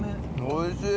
おいしい！